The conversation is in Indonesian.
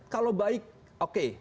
kalau baik oke